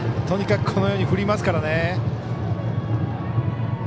とにかくこのように振りますからね。